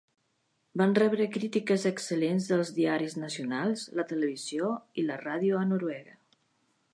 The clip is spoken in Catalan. Van rebre crítiques excel·lents dels diaris nacionals, la televisió i la ràdio a Noruega.